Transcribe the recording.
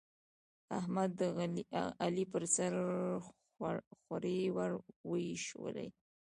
احمد، د علي پر سر خورۍ ور واېشولې.